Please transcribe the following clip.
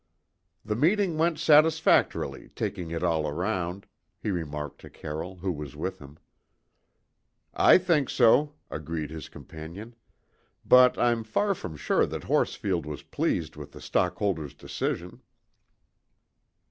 "The meeting went satisfactorily, taking it all round," he remarked to Carroll, who was with him. "I think so," agreed his companion. "But I'm far from sure that Horsfield was pleased with the stockholders' decision."